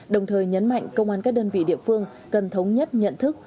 đồng thời nhấn mạnh công an các đơn vị địa phương cần thống nhất nhận thức